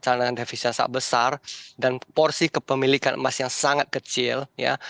karena devisa sangat besar dan porsi kepemilikan emas yang sangat kecil ya